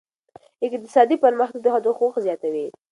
اقتصادي پرمختګ د ښځو حقوق زیاتوي.